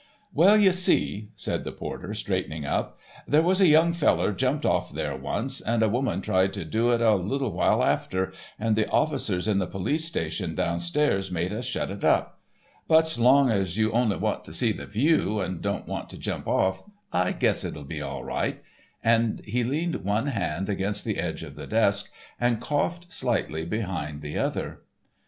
"Well, you see," said the porter, straightening up, "there was a young feller jumped off there once, and a woman tried to do it a little while after, and the officers in the police station downstairs made us shut it up; but 's long as you only want to see the view and don't want to jump off, I guess it'll be all right," and he leaned one hand against the edge of the desk and coughed slightly behind the other.